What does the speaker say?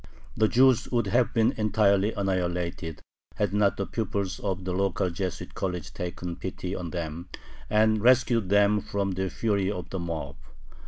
The Jews would have been entirely annihilated, had not the pupils of the local Jesuit college taken pity on them, and rescued them from the fury of the mob.